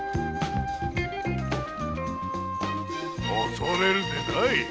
恐れるでない。